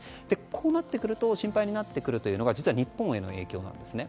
こうなってくると心配になってくるのが実は日本への影響です。